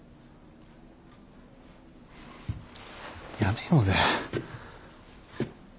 やめようぜ。